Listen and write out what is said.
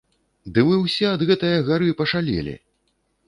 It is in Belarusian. Ды вы ўсе ад гэтае гары пашалелі!